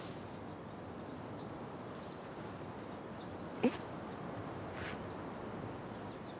えっ？